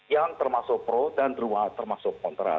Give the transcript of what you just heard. yang termasuk pro dan dua termasuk kontra